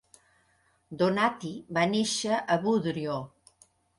Donati va néixer a Budrio.